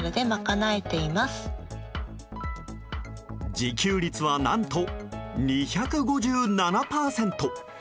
自給率は何と２５７％。